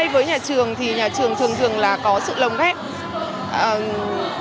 với nhà trường thì nhà trường thường thường là có sự lồng ghép